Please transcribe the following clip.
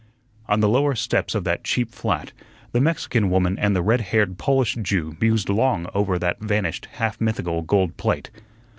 On the lower steps of that cheap flat, the Mexican woman and the red haired Polish Jew mused long over that vanished, half mythical gold plate.